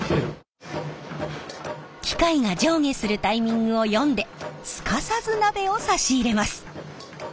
機械が上下するタイミングを読んですかさず鍋を差し入れます。